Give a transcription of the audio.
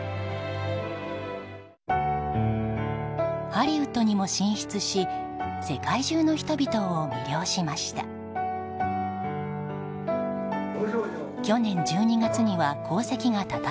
ハリウッドにも進出し世界中の人々を魅了しました。